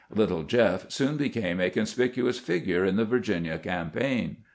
" Little Jeff " soon became a conspicu ous figure in the Virginia campaign.